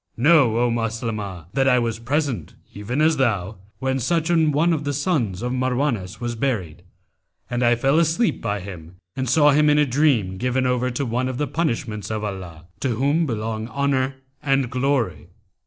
Know, O Maslamah, that I was present, even as thou, when such an one of the sons of Marwanwas buried, and I fell asleep by him and saw him in a dream given over to one of the punishments of Allah, to whom belong Honour and Glory!